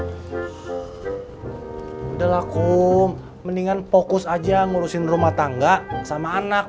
udah laku mendingan fokus aja ngurusin rumah tangga sama anak